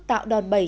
tạo đòn bẩy